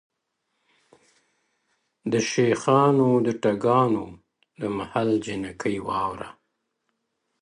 o د شېخانو د ټگانو ـ د محل جنکۍ واوره ـ